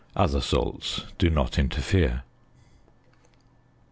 Other salts do not interfere.